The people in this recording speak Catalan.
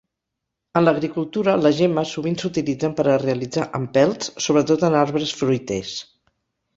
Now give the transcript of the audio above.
En l'agricultura, les gemmes sovint s'utilitzen per a realitzar empelts, sobretot en arbres fruiters.